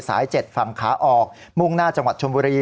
๗ฝั่งขาออกมุ่งหน้าจังหวัดชมบุรี